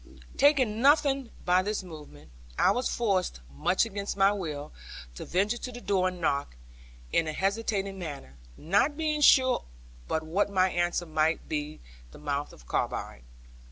Taking nothing by this movement, I was forced, much against my will, to venture to the door and knock, in a hesitating manner, not being sure but what my answer might be the mouth of a carbine.